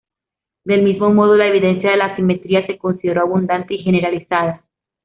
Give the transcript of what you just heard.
Del mismo modo, la evidencia de la asimetría se consideró "abundante" y "generalizada".